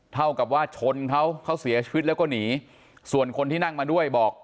เท่ากับว่าชนเขาเขาเสียชีวิตแล้วก็หนีส่วนคนที่นั่งมาด้วยบอก